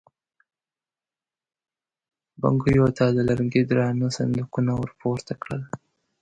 بګيو ته د لرګي درانه صندوقونه ور پورته کېدل.